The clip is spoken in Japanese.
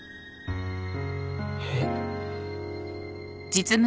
えっ？